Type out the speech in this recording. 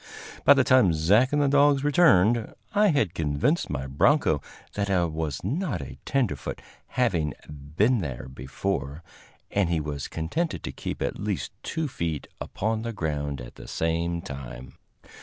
By the time Zach and the dogs returned, I had convinced my broncho that I was not a tenderfoot, having "been there before," and he was contented to keep at least two feet upon the ground at the same time.